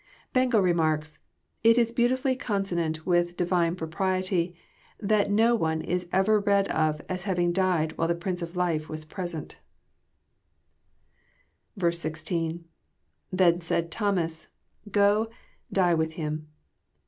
Bengel remarks : ''It is beautiftilly consonant with Divine propriety, that no one is ever read of, as having died v^hile the Pri6ce of Life was present." 16. — JiThen said Thomas... go,.. die with him.'